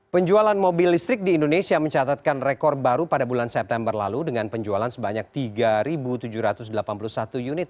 penjualan mobil listrik di indonesia mencatatkan rekor baru pada bulan september lalu dengan penjualan sebanyak tiga tujuh ratus delapan puluh satu unit